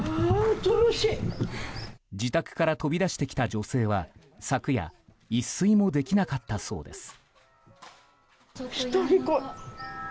自宅から飛び出してきた女性は昨夜一睡もできなかったそうです。